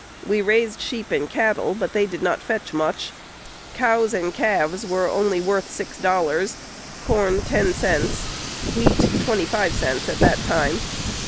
We raised sheep and cattle, but they did not fetch much. Cows and calves were only worth six dollars; corn, ten cents; wheat, twenty five cents at that time."